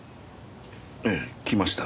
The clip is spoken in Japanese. ええ来ました。